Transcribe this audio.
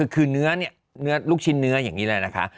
คือลูกชิ้นเนื้ออย่างนี้แหละนะคะ